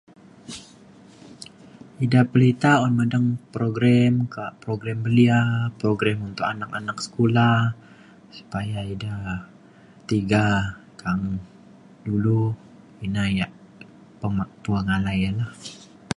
ida perita un badeng program kak program belia program untuk anak anak sekula supaya ida tiga ka’ang dulu ina yak pema- pemalai layan le